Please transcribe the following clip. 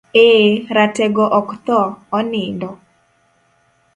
Eee, ratego ok thoo, onindo.